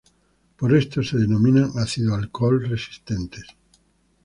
Por esto se denominan ácido-alcohol resistentes.